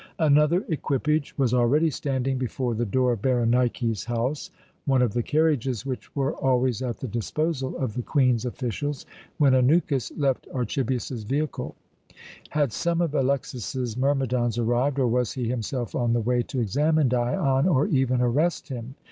Another equipage was already standing before the door of Berenike's house one of the carriages which were always at the disposal of the Queen's officials when Anukis left Archibius's vehicle. Had some of Alexas's myrmidons arrived, or was he himself on the way to examine Dion, or even arrest him?